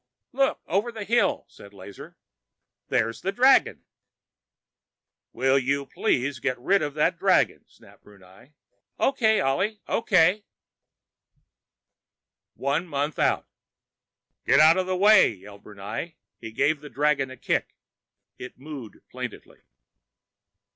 "Look over the hill!" said Lazar. "There's the dragon!" "Will you please get rid of that dragon?" snapped Brunei. "O.K., Ollie, O.K." One month out: "Get out of the way!" yelled Brunei. He gave the dragon a kick. It mooed plaintively.